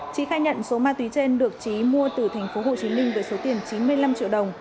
chí khai nhận số ma túy trên được chí mua từ thành phố hồ chí minh với số tiền chín mươi năm triệu đồng